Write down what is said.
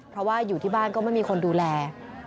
เพราะว่าอยู่ที่บ้านก็ไม่มีคนดูแล